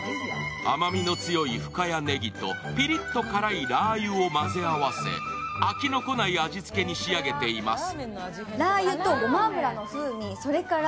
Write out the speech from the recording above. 甘みの強い深谷ねぎとピリッと辛いラー油を合わせ、飽きの来ない味付けに仕上げています。